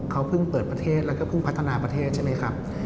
เขาเพิ่งเปิดประเทศแล้วก็เพิ่งพัฒนาประเทศใช่ไหมครับ